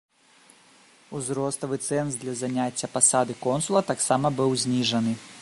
Узроставы цэнз для заняцця пасады консула таксама быў зніжаны.